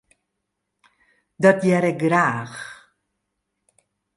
Dat hear ik graach.